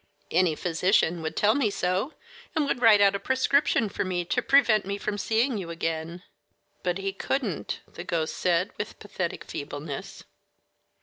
"Any physician would tell me so, and would write out a prescription for me to prevent my seeing you again." "But he could n't," the ghost said, with pathetic feebleness.